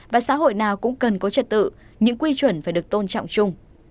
và xã hội nào cũng cần có trật tự những quy chuẩn phải được tôn trọng chung